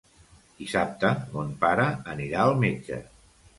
Dissabte mon pare anirà al metge.